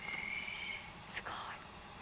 すごい。